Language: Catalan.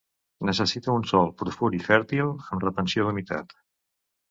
Necessita un sòl profund i fèrtil, amb retenció d'humitat.